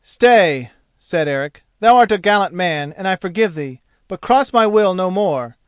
"Stay," said Eric; "thou art a gallant man and I forgive thee: but cross my will no more.